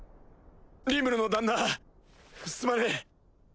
リムルの旦那すまねえ！